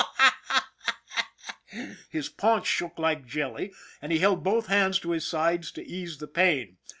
Haw, haw !" His paunch shook like jelly, and he held both hands to his sides to ease the pain.